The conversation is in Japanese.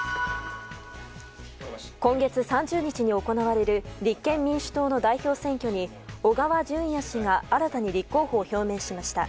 今月３０日に行われる立憲民主党の代表選挙に小川淳也氏が新たに立候補を表明しました。